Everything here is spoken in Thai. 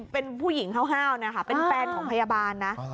เป็นผู้หญิงห้าวนะคะเป็นแฟนของพยาบาลนะ